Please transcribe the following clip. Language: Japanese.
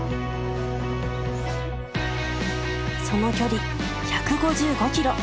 その距離１５５ｋｍ。